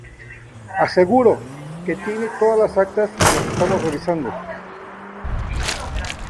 Aseguró que tienen “todas las actas y las estamos revisando.